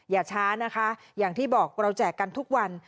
อย่าช้านะคะอย่างที่บอกเราแจกกันทุกวัน